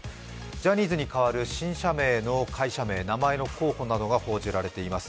ジャニーズに代わる新社名、名前の候補などが報じられています。